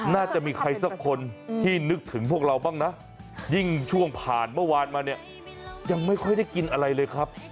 น่าจะมีใครสักคนที่นึกถึงพวกเราบ้างนะยิ่งช่วงผ่านเมื่อวานมาเนี่ยยังไม่ค่อยได้กินอะไรเลยครับ